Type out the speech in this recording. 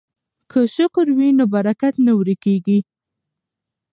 که شکر وي نو برکت نه ورکیږي.